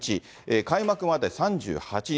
開幕まで３８日。